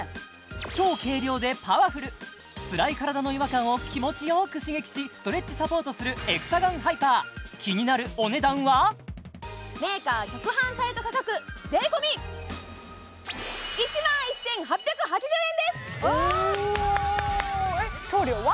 超軽量でパワフルツラい体の違和感を気持ちよく刺激しストレッチサポートするエクサガンハイパーメーカー直販サイト価格税込おおっえっ送料は？